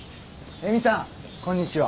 えみさんこんにちは。